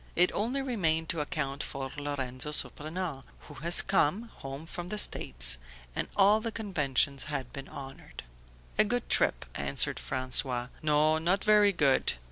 it only remained to account for Lorenzo Surprenant, "who has come, home from the States" and all the conventions had been honoured. "A good trip," answered François. "No, not very good.